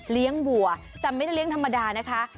วัวแต่ไม่ได้เลี้ยงธรรมดานะคะ